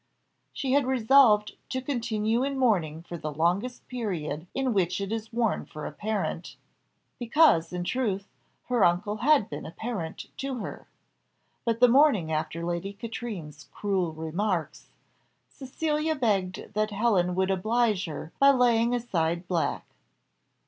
She had resolved to continue in mourning for the longest period in which it is worn for a parent, because, in truth, her uncle had been a parent to her; but the morning after Lady Katrine's cruel remarks, Cecilia begged that Helen would oblige her by laying aside black.